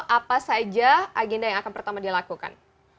apa saja agenda yang akan pertama dilakukan